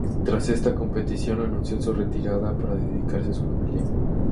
Tras esta competición, anunció su retirada para dedicarse a su familia.